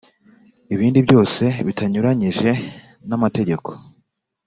Ibindi byose bitanyuranyije n amategeko